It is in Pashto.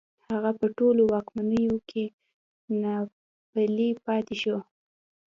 هغه په ټولو واکمنيو کې ناپېيلی پاتې شو